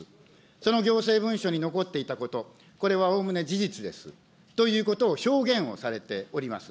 その行政文書に残っていたこと、これはおおむね事実ですということを表現をされております。